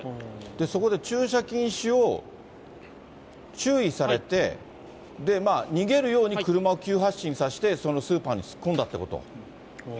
そこで駐車禁止を注意されて、逃げるように車を急発進させて、そのスーパーに突っ込んだってこと？